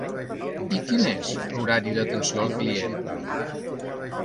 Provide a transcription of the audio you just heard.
I quin és l'horari d'atenció al client?